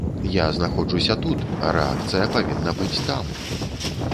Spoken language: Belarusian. Я знаходжуся тут, а рэакцыя павінна быць там.